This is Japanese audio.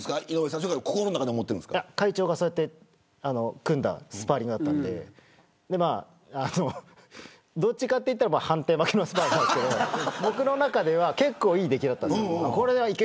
それは会長が組んだスパーリングだったのでどちらかというと判定負けのスパーリングなんですけど僕の中では結構いい出来だったんです。